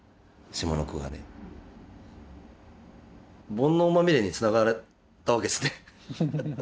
「煩悩まみれ」につながったわけですね。